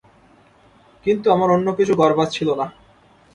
কিন্তু আমার অন্য কিছু করবার ছিল না।